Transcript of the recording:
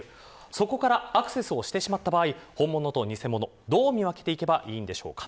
そこからアクセスをしてしまった場合、本物と偽物どう見分けていけばいいんでしょうか。